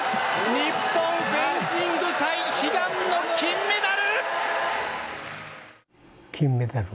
日本フェンシング界、悲願の金メダル！